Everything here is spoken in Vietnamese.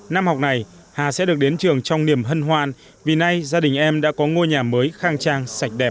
năm học này hà sẽ được đến trường trong niềm hân hoan vì nay gia đình em đã có ngôi nhà mới khang trang sạch đẹp